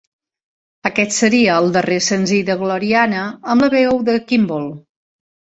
Aquest seria el darrer senzill de Gloriana amb la veu de Kimball.